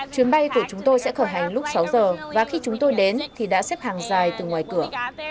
chuyến bay của chúng tôi sẽ khởi hành lúc sáu giờ và khi chúng tôi đến thì đã xếp hàng dài từ ngoài cửa